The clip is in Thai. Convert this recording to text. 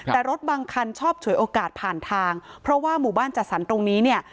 แต่รถบางคันชอบฉวยโอกาสผ่านทางเพราะว่าหมู่บ้านจัดสรรตรงนี้เนี่ย